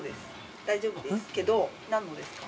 大丈夫ですけど何のですか？